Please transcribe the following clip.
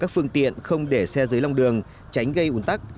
các phương tiện không để xe dưới lòng đường tránh gây ủn tắc